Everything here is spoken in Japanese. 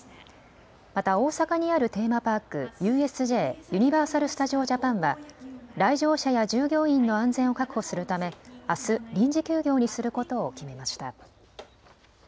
また大阪にあるテーマパーク、ＵＳＪ・ユニバーサル・スタジオ・ジャパンは、来場者や従業員の安全を確保するため、あす、臨時休業にすることを決めました。